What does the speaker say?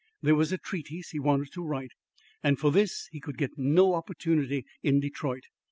There was a treatise he wanted to write, and for this he could get no opportunity in Detroit.